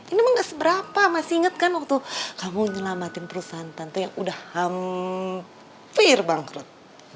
ini mah gak seberapa masih inget kan waktu kamu nyelamatin perusahaan tante yang udah hampir bangkrut